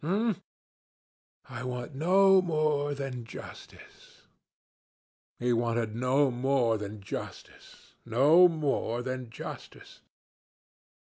Eh? I want no more than justice.' ... He wanted no more than justice no more than justice.